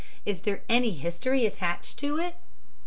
'Is there any history attached to it?'